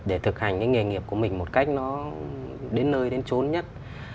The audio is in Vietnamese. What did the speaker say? để thực hành cái nghề nghiệp của mình một cách nó đến nơi đến trốn nhất